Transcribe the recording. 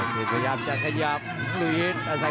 พยายามจะขยับหลุยินทร์